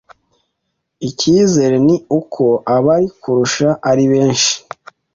Icyizere ni uko abari kurushaka ari benshi